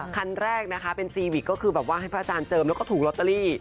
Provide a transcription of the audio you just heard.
คันแรกนะคะเป็นซีวิกก็คือแบบว่าให้พระอาจารย์เจิมแล้วก็ถูกลอตเตอรี่